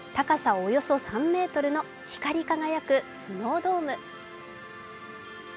およそ３ｍの光り輝くスノードーム。